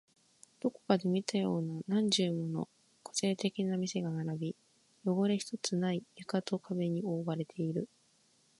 どこかで見たような何十もの個性的な店が並び、汚れ一つない床と壁に覆われている